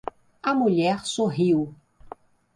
A mulher sorriu.